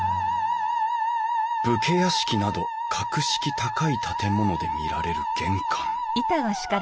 武家屋敷など格式高い建物で見られる玄関。